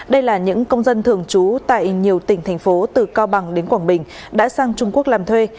đây là những công dân thường trú tại nhiều tỉnh thành phố từ cao bằng đến quảng bình đã sang trung quốc làm thuê